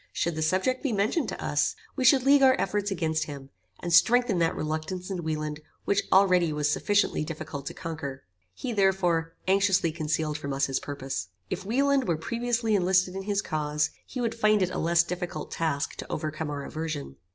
Should the subject be mentioned to us, we should league our efforts against him, and strengthen that reluctance in Wieland which already was sufficiently difficult to conquer. He, therefore, anxiously concealed from us his purpose. If Wieland were previously enlisted in his cause, he would find it a less difficult task to overcome our aversion.